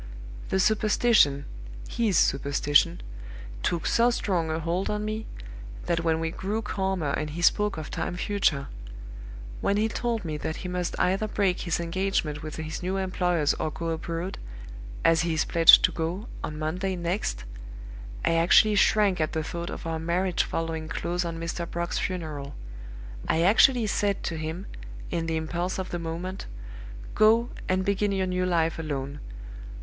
The superstition his superstition took so strong a hold on me, that when we grew calmer and he spoke of time future when he told me that he must either break his engagement with his new employers or go abroad, as he is pledged to go, on Monday next I actually shrank at the thought of our marriage following close on Mr. Brock's funeral; I actually said to him, in the impulse of the moment, 'Go, and begin your new life alone!